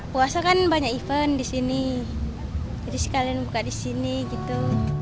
puasa kan banyak event di sini jadi sekalian buka di sini gitu